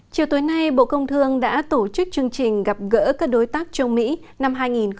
chiều tối nay bộ công thương đã tổ chức chương trình gặp gỡ các đối tác trong mỹ năm hai nghìn một mươi chín